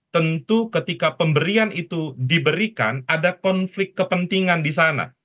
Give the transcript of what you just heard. tentu ketika pemberian itu diberikan ada konflik kepentingan di sana